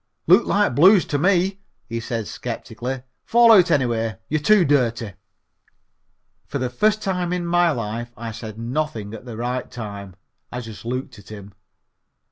"Look like Blues to me," he said skeptically. "Fall out anyway. You're too dirty." For the first time in my life I said nothing at the right time. I just looked at him.